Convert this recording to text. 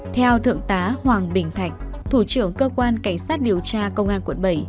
theo thượng tá hoàng bình thạnh thủ trưởng cơ quan cảnh sát điều tra công an quận bảy